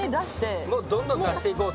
もうどんどん出していこうと。